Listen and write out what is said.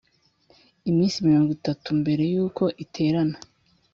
iminsi mirongo itatu mbere yuko iterana